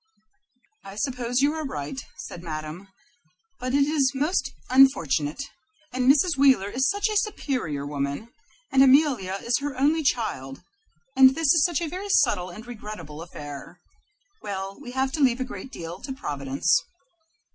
"I suppose you are right," said Madame, "but it is most unfortunate, and Mrs. Wheeler is such a superior woman, and Amelia is her only child, and this is such a very subtle and regrettable affair. Well, we have to leave a great deal to Providence."